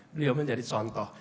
beliau menjadi contoh